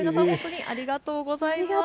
ありがとうございます。